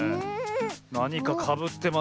なにかかぶってますよ